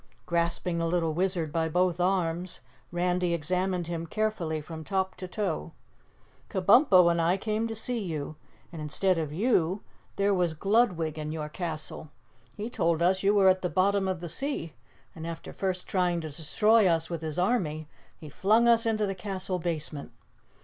Grasping the little Wizard by both arms, Randy examined him carefully from top to toe. "Kabumpo and I came to see you, and instead of you, there was Gludwig in your castle. He told us you were at the bottom of the sea, and after first trying to destroy us with his army, he flung us into the castle basement.